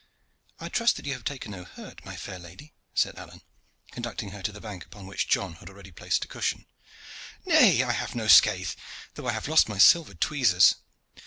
"I trust that you have taken no hurt, my fair lady," said Alleyne, conducting her to the bank, upon which John had already placed a cushion. "Nay, I have had no scath, though I have lost my silver tweezers.